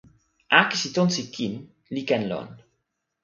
akesi tonsi kin li ken lon.